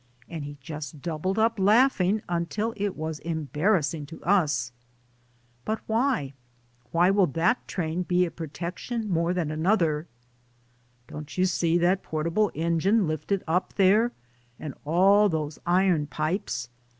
And he just doubled up laughing until it was embarrassing to us. "But why ? Why will that train be a pro tection more than another?" "Don't you see that portable engine lifted away up there, and all those iron pipes